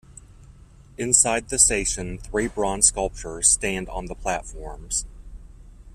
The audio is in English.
Inside the station, three bronze sculptures stand on the platforms.